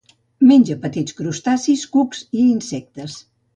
Menja petits crustacis, cucs i insectes.